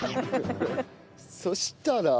そしたら？